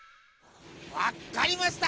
わっかりました！